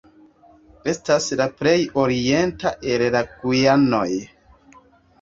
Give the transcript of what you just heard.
Estas la plej orienta el la Gujanoj.